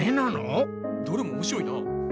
どれも面白いな。